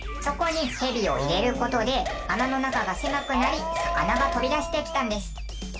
そこにヘビを入れる事で穴の中が狭くなり魚が飛び出してきたんです。